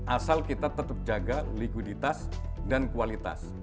asal kita tetap jaga likuiditas dan kualitas